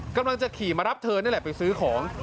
กำลังจะขี่มารับเธอนี่แหละไปซื้อของ